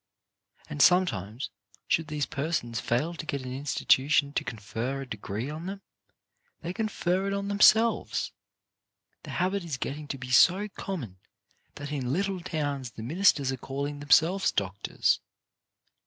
And sometimes, should these persons fail to get an institution to confer a degree on them, they confer it on themselves ! The habit is getting to be so common that in little towns the ministers are calling them selves Doctors.